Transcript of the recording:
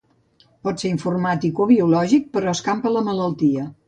Pot ser informàtic o biològic, però escampa la malaltia.